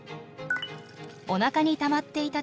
おなかにたまっていた